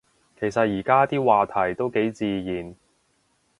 其實而家啲話題都幾自然